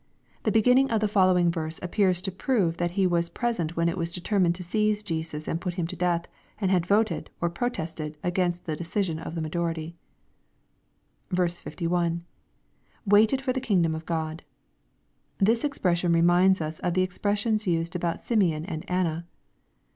The beginning of the following verse appears to prove that he was present when it was determined to seize Jesus and put Him to death, and had voted, or protested, against the decision of the majority. 51. —[ Waited for the kingdom of Qod^ This expression reminds us of the expressions used about Simeon and Anna.